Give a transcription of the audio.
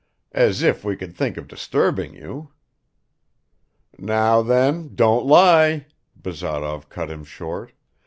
. as if we could think of disturbing you!" "Now then, don't lie!" Bazarov cut him short.